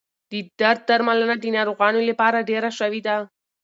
د درد درملنه د ناروغانو لپاره ډېره شوې ده.